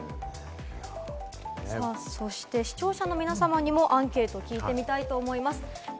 そして視聴者の皆様にもアンケートを聞いてみたいと思います。